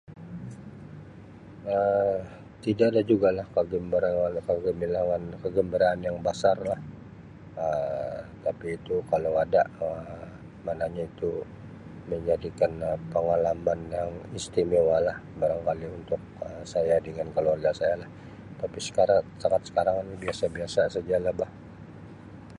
Um Tidak ada juga lah [unintelligible] kegembiraan yang besar lah. Um Tapi itu kalau ada Um maknanya itu menjadikan Um pengalaman yang istimewa lah barangkali untuk Um saya dengan keluarga saya lah tapi sekarang, setakat sekarang ni biasa-biasa saja lah bah.